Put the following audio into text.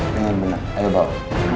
bener bener ayo bawa